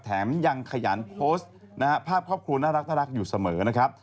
แถมยังขยันโพสต์นะฮะภาพครอบครัวน่ารักอยู่เสมอนะครับ